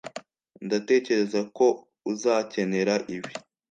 ndatekereza ko uzakenera ibi